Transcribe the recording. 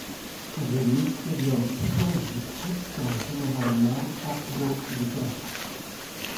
Les mycéliums fongiques sont généralement haploïdes.